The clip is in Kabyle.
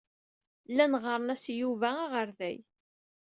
Llan ɣɣaren-as i Yuba aɣerday.